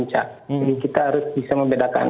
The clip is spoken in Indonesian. jadi kita harus bisa membedakan